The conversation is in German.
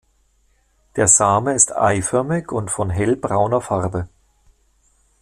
Der Same ist eiförmig und von hellbrauner Farbe.